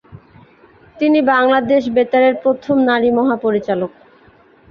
তিনি বাংলাদেশ বেতারের প্রথম নারী মহাপরিচালক।